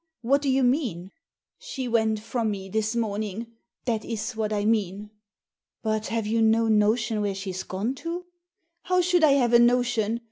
what do you mean ?"She went from me this morning — that is what I mean." "But have you no notion where she's gone to?*' " How should I have a notion